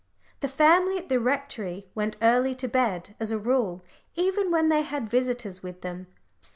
The family at the Rectory went early to bed as a rule, even when they had visitors with them.